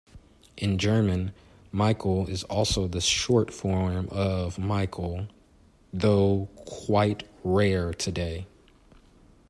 In German, "Michel" is also the short form of Michael, though quite rare today.